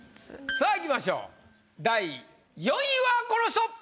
さぁいきましょう第４位はこの人！